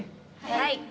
はい！